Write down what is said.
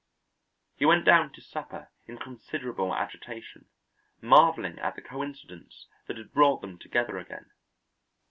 He went down to supper in considerable agitation, marvelling at the coincidence that had brought them together again.